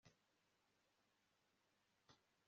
Abagore ntibamwitayeho